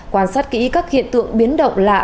quan sát kỹ các hiện tượng biến động lạ